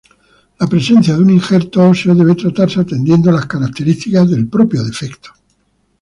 La presencia de un injerto óseo debe tratarse atendiendo las características del propio defecto.